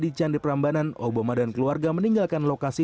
di candi prambanan obama dan keluarga meninggalkan lokasi